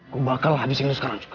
gue bakal habisin lo sekarang juga